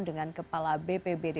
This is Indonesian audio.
dengan kepala bpbd